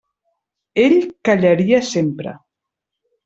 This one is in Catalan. Ell callaria sempre.